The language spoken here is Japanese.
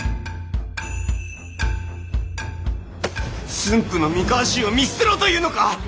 駿府の三河衆を見捨てろというのか！